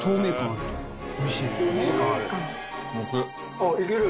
あっいける？